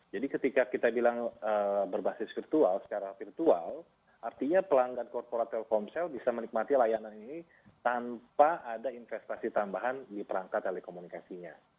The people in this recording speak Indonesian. jadi ketika kita bilang berbasis virtual secara virtual artinya pelanggan korporat telkomsel bisa menikmati layanan ini tanpa ada investasi tambahan di perangkat telekomunikasinya